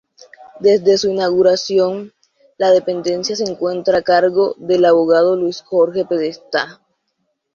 Desde su inauguración, la dependencia se encuentra a cargo del abogado Luis Jorge Podestá.